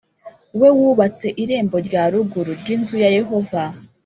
We wubatse irembo rya ruguru ry inzu ya yehova